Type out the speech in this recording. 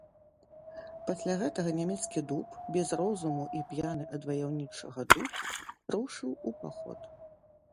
Пасля гэтага нямецкі дуб, без розуму і п'яны ад ваяўнічага духу, рушыў у паход.